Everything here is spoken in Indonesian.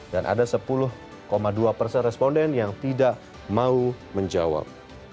dan ada sepuluh dua responden yang tidak mau menjawab